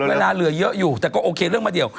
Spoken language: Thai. เวลาเหลือเยอะอยู่แต่ก็โอเคเรื่องมาเดี่ยว